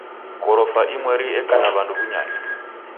Ghorofa imweri eka na w'andu w'unyanya.